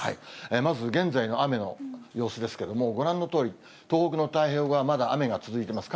まず現在の雨の様子ですけれども、ご覧のとおり、東北の太平洋側、まだ雨が続いてます。